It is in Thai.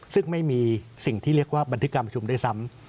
ซึ่งไม่มีสิ่งที่เรียกว่าบันทึกการประชุมด้วยซ้ำ